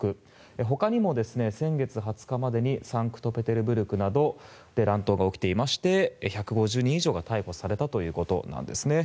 ほかにも先月２０日までにサンクトペテルブルクなどで乱闘が起きていまして１５０人以上が逮捕されたということなんですね。